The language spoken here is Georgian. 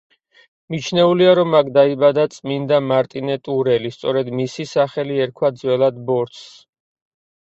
მიჩნეულია, რომ აქ დაიბადა წმინდა მარტინე ტურელი, სწორედ მისი სახელი ერქვა ძველად ბორცვს.